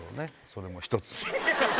それも一つ。